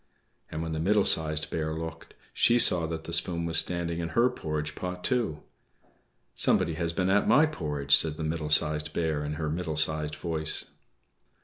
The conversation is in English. And when the Middle Sized Bear looked, she saw that the spoon was standing in her porridge pot too. "=Somebody has been at my porridge!=" said the Middle Sized Bear in her middle sized voice.